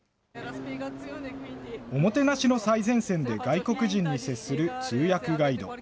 おもてなしの最前線で外国人に接する通訳ガイド。